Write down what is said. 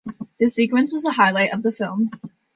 The sequence was the highlight of the film.